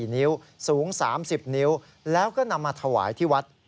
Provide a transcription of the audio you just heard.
นิ้วสูง๓๐นิ้วแล้วก็นำมาถวายที่วัด